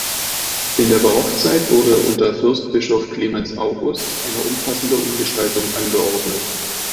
In der Barockzeit wurde unter Fürstbischof Clemens August eine umfassende Umgestaltung angeordnet.